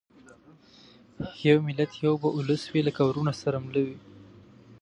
یو ملت یو به اولس وي لکه وروڼه سره مله وي